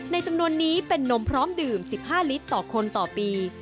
จำนวนนี้เป็นนมพร้อมดื่ม๑๕ลิตรต่อคนต่อปี